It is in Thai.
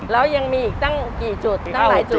แล้วยังมีอีกตั้งกี่จุดตั้งหลายจุด